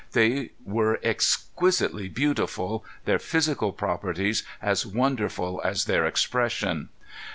They were exquisitely beautiful, their physical properties as wonderful as their expression.